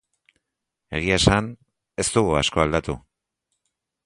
Egia esan, ez dugu asko aldatu.